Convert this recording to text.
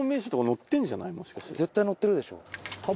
絶対載ってるでしょ。